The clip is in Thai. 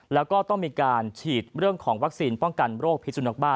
แล้วก็ต้องมีการฉีดเรื่องของวัคซีนป้องกันโรคพิสุนักบ้า